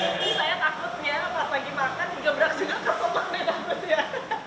ini saya takutnya pas lagi makan gebrek juga ke soto nih takutnya